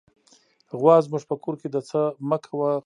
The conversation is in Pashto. غوا زموږ په کور کې د "څه مه کوه" قانون نه مني.